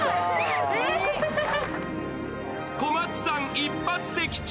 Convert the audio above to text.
小松さん、一発的中！